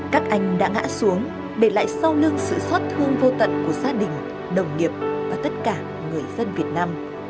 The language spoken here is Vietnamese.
các anh đã ngã xuống để lại sau lưng sự xót thương vô tận của gia đình đồng nghiệp và tất cả người dân việt nam